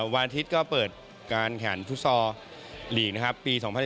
วันอาทิตย์ก็เปิดการแขนฟุตซอล์หลีกปี๒๐๑๗